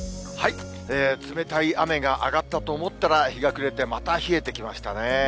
冷たい雨が上がったと思ったら、日が暮れて、また冷えてきましたね。